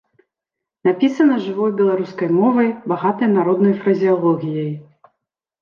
Напісана жывой беларускай мовай, багатай народнай фразеалогіяй.